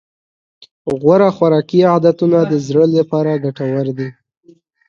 غوره خوراکي عادتونه د زړه لپاره ګټور دي.